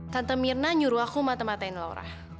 tante mirna nyuruh aku matematen laura